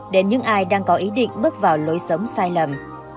đến những ai đang có ý định bước vào lối sống sai lầm